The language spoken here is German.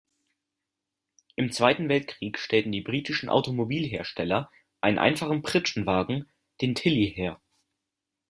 Im Zweiten Weltkrieg stellten die britischen Automobilhersteller einen einfachen Pritschenwagen, den Tilly, her.